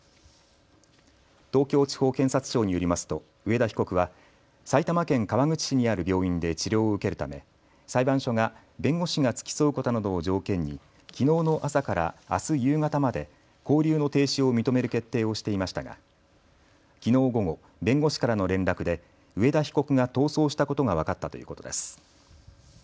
東京地方検察庁によりますと上田被告は埼玉県川口市にある病院で治療を受けるため裁判所が弁護士が付き添うことなどを条件にきのうの朝からあす夕方まで勾留の停止を認める決定をしていましたがきのう午後、弁護士からの連絡で上田被告が逃走したことが分かったということです。